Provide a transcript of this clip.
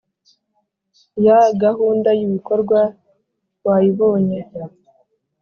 ya gahunda y ibikorwa wayibonye